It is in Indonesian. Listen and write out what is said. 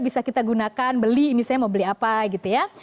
bisa kita gunakan beli misalnya mau beli apa gitu ya